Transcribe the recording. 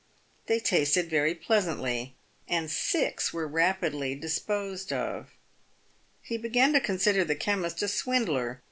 They tasted very pleasantly, and PAVED WITH GOLD. 309 six were rapidly disposed of. He began to consider the chemist a swindler.